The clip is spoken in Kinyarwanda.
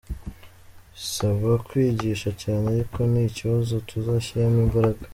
Bisaba kwigsha cyane ariko ni ikibazo tuzashyiramo imbaraga.